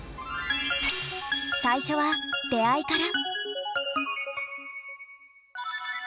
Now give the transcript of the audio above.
最初は出会いから。